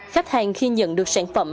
khách hàng khi nhận được sản phẩm